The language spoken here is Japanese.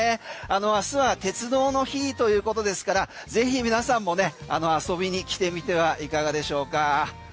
明日は鉄道の日ということですからぜひ皆さんも、遊びに来てみてはいかがでしょうか？